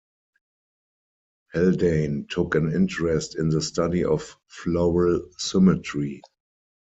Haldane took an interest in the study of floral symmetry.